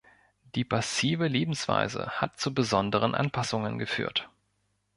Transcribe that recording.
Die passive Lebensweise hat zu besonderen Anpassungen geführt.